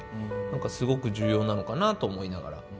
何かすごく重要なのかなと思いながら。